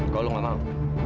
kalau lo gak mau